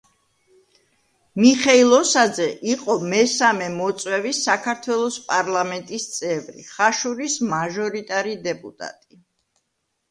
მიხეილ ოსაძე იყო მესამე მოწვევის საქართველოს პარლამენტის წევრი, ხაშურის მაჟორიტარი დეპუტატი.